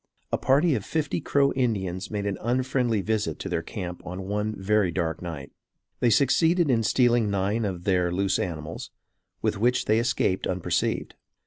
A party of fifty Crow Indians made an unfriendly visit to their camp on one very dark night. They succeeded in stealing nine of their loose animals, with which they escaped unperceived.